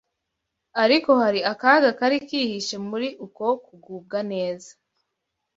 Ariko hari akaga kari kihishe muri uko kugubwa neza.